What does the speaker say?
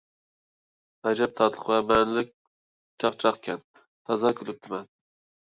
ئەجەب تاتلىق ۋە مەنىلىك چاقچاقكەن! تازا كۈلۈپتىمەن.